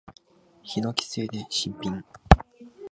ヒノキ製で新品。